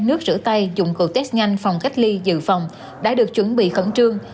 nước rửa tay dụng cụ test nhanh phòng cách ly dự phòng đã được chuẩn bị khẩn trương